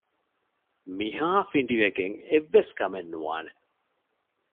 މިހާ ފިނޑިވެގެން އެއްވެސް ކަމެއް ނުވާނެ